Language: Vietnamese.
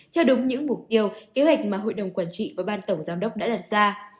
theo đúng những mục tiêu kế hoạch mà hội đồng quản trị và ban tổng giám đốc đã đặt ra